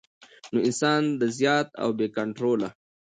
نو انسان د زيات او بې کنټروله